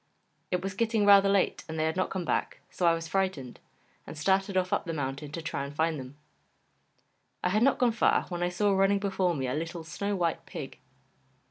It was getting rather late, and they had not come back, so I was frightened, and started off up the mountain to try and find them. I had not gone far when I saw running before me a little snow white pig.